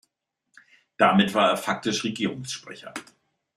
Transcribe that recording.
Damit war er faktisch Regierungssprecher.